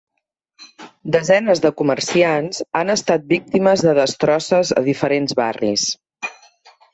Desenes de comerciants han estat víctimes de destrosses a diferents barris.